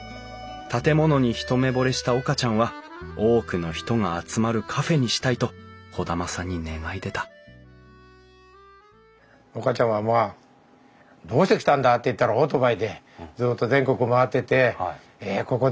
建物に一目ぼれした岡ちゃんは多くの人が集まるカフェにしたいと兒玉さんに願い出た岡ちゃんはまあ「どうして来たんだ？」って言ったらオートバイでずっと全国を回っててここでカフェをしたいと。